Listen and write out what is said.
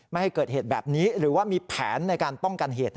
ไม่ให้เกิดเหตุแบบนี้หรือว่ามีแผนในการป้องกันเหตุ